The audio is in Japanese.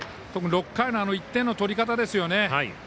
６回の１点の取り方ですよね。